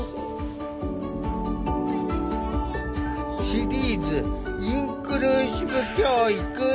シリーズ「インクルーシブ教育」。